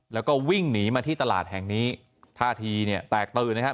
แล้วก็วิ่งหนีมาที่ตลาดแห่งนี้ท่าทีเนี่ยแตกตื่นนะครับ